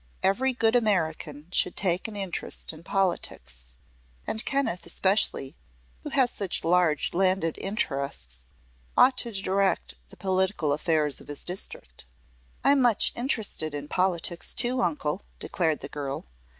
Every good American should take an interest in politics; and Kenneth, especially, who has such large landed interests, ought to direct the political affairs of his district." "I'm much interested in politics, too, Uncle," declared the girl.